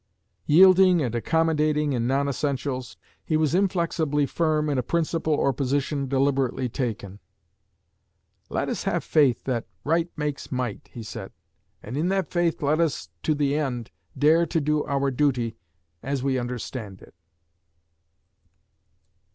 Yielding and accommodating in non essentials, he was inflexibly firm in a principle or position deliberately taken. 'Let us have faith that right makes might,' he said, 'and in that faith let us to the end dare to do our duty as we understand it.'